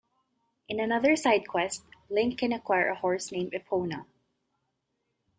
In another side-quest, Link can acquire a horse named Epona.